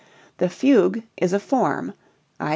_, the fugue is a form _i.